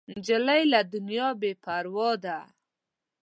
نجلۍ له دنیا نه بې پروا ده.